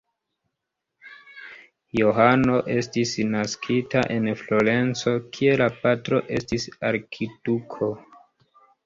Johano estis naskita en Florenco, kie la patro estis arkiduko.